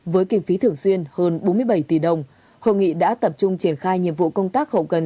với kinh phí thường xuyên hơn bốn mươi bảy tỷ đồng hội nghị đã tập trung triển khai nhiệm vụ công tác hậu cần